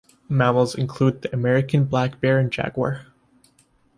Mammals include the American black bear and jaguar.